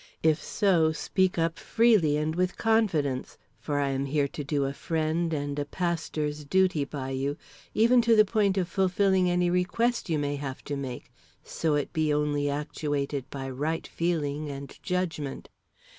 If so, speak up freely and with confidence, for I am here to do a friend and a pastor's duty by you, even to the point of fulfilling any request you may have to make, so it be only actuated by right feeling and judgment."